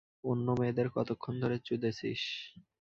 অন্য মেয়েদের কতক্ষণ ধরে চুদেছিস?